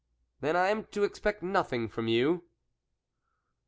" Then I am to expect nothing from you